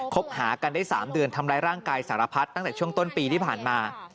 หากันได้๓เดือนทำร้ายร่างกายสารพัดตั้งแต่ช่วงต้นปีที่ผ่านมา